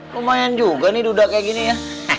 lumayan juga nih udah kayak gini ya